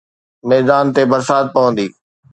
ميدان تي برسات پوندي